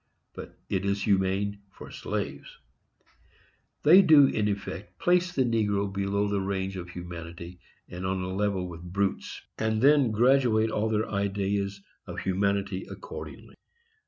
—but it is humane for slaves. They do, in effect, place the negro below the range of humanity, and on a level with brutes, and then graduate all their ideas of humanity accordingly.